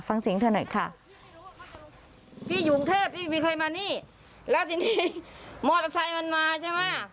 ฟังเสียงเธอหน่อยค่ะ